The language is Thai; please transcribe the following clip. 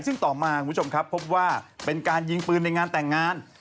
ซึ่งต่อมาคุณผู้ชมครับพบว่าเป็นการยิงปืนในงานแต่งงาน